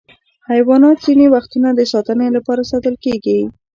حیوانات ځینې وختونه د ساتنې لپاره ساتل کېږي.